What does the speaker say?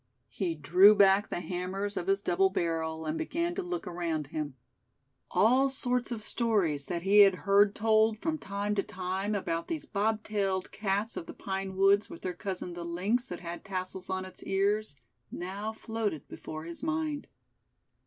He drew back the hammers of his double barrel, and began to look around him. All sorts of stories that he had heard told from time to time about these bobtailed cats of the pine woods, with their cousin, the lynx, that had tassels on its ears, now floated before his mind.